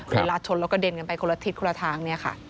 เวลาชนแล้วก็เด่นกันไปคนละทิศคนละทาง